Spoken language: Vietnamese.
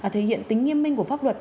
thể hiện tính nghiêm minh của pháp luật